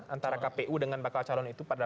antara kpu dengan bakal calon itu